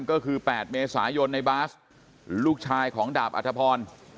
ก็คือ๘เมษายนในบาสลูกชายของดาบอัธพร